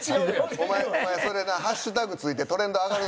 お前それなハッシュタグ付いてトレンド上がる。